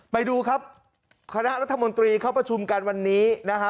ไปดูครับคณะรัฐมนตรีเข้าประชุมกันวันนี้นะฮะ